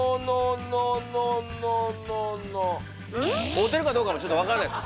合うてるかどうかもちょっとわからないです